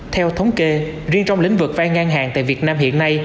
theo thống kê riêng trong lĩnh vực vay ngang hàng tại việt nam hiện nay